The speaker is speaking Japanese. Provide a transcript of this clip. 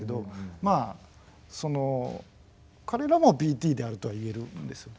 まあその彼らもＢＴであるとはいえるんですよ。